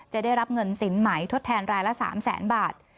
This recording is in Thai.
จะได้รับเงินสินใหม่ทดแทนรายละ๓แสนบาท